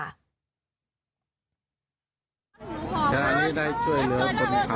โอ้โหคุณผู้ชมที่วงไว้นั่นน่ะคือคุณตา